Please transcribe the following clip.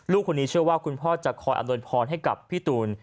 คนนี้เชื่อว่าคุณพ่อจะคอยอำนวยพรให้กับพี่ตูน